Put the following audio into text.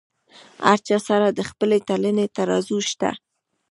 هر چا سره د خپلې تلنې ترازو شته.